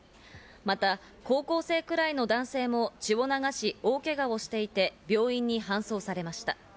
また高校生くらいの男性も血を流し、大けがをしていて病院に搬送されました。